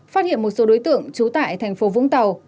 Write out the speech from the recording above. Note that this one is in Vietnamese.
phát hiện một số đối tượng trú tại thành phố vũng tàu